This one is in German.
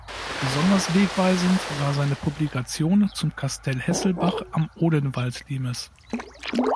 Besonders wegweisend war seine Publikation zum Kastell Hesselbach am Odenwaldlimes.